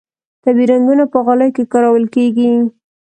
طبیعي رنګونه په غالیو کې کارول کیږي